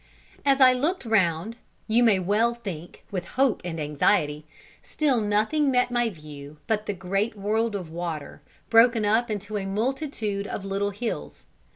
As I looked round, you may well think, with hope and anxiety, still nothing met my view but the great world of water, broken up into a multitude of little hills.